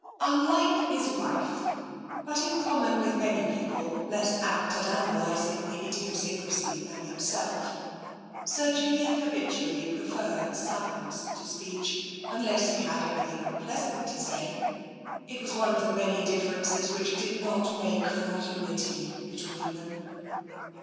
Unlike his wife, but in common with many people less apt at analysing the idiosyncrasy than himself, Sir Julian habitually preferred silence to speech, unless he TENSION 5 had anything unpleasant to say. It was one of the many differences which did not make for unity be tween them.